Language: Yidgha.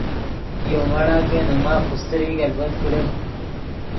یو مڑا کہ نے ماف خوستریک البت کڑے۔